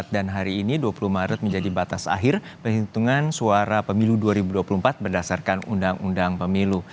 dan hari ini dua puluh maret menjadi batas akhir perhitungan suara pemilu dua ribu dua puluh empat berdasarkan undang undang pemilu